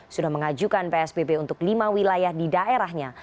sudah mengajukan psbb untuk lima wilayah di daerahnya